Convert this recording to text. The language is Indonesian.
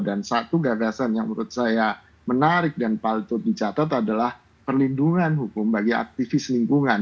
dan satu gagasan yang menurut saya menarik dan palitur dicatat adalah perlindungan hukum bagi aktivis lingkungan